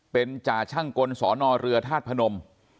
เป็นจ่าช่างกลสอนอเรือธาตุพนม